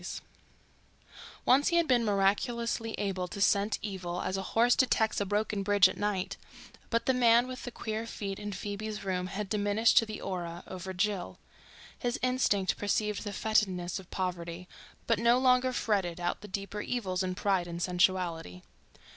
STILL WEEDING Once he had been miraculously able to scent evil as a horse detects a broken bridge at night, but the man with the queer feet in Phoebe's room had diminished to the aura over Jill. His instinct perceived the fetidness of poverty, but no longer ferreted out the deeper evils in pride and sensuality.